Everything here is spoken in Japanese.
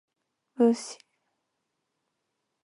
武士